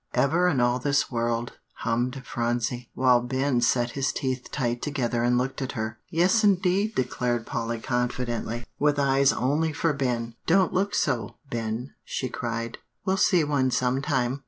"Ever in all this world?" hummed Phronsie, while Ben set his teeth tight together and looked at her. "Yes, indeed," declared Polly confidently, with eyes only for Ben. "Don't look so, Ben," she cried; "we'll see one sometime."